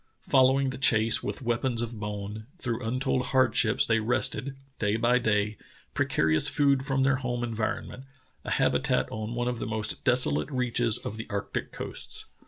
Following the chase with weapons of bone, through untold hardships they wrested, day by day, precarious food from their home environment — a habitat on one of the most desolate reaches of the arctic coasts.